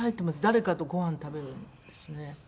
誰かとごはん食べるんですね。